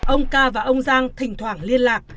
ông ca và ông giang thỉnh thoảng liên lạc